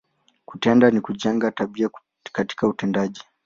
Kutenda, ni kujenga, tabia katika utendaji.